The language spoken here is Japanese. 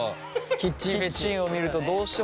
キッチンを見るとどうしても。